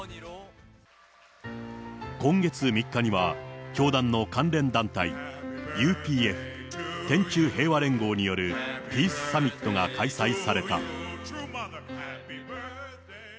今月３日には、教団の関連団体、ＵＰＦ・天宙平和連合によるピースサミットが開催された。